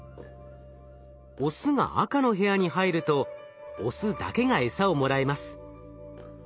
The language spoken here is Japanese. オスが赤の部屋に入るとオスだけがエサをもらえます。